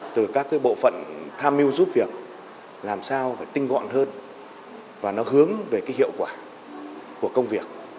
từ các bộ phận tham mưu giúp việc làm sao phải tinh gọn hơn và nó hướng về cái hiệu quả của công việc